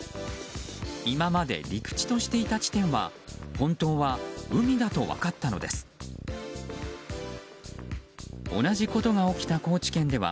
今まで陸地としていた地点は本当は海だったことが分かったのです。